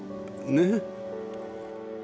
ねえ？